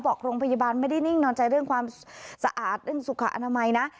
บอกโรงพยาบาลไม่ได้นิ่งนอนใจเรื่องความสะอาดเรื่องสุขอนามัยนะ